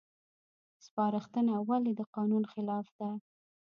سپارښتنه ولې د قانون خلاف ده؟